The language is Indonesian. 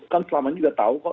kan selama ini juga tahu kok